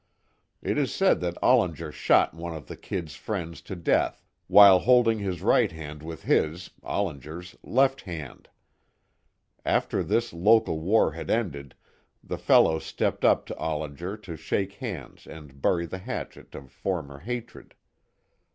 It is said that Ollinger shot one of the "Kid's" friends to death while holding his right hand with his, Ollinger's, left hand. After this local war had ended, the fellow stepped up to Ollinger to shake hands and to bury the hatchet of former hatred.